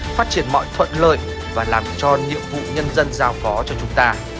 phát triển mọi thuận lợi và làm cho nhiệm vụ nhân dân giao phó cho chúng ta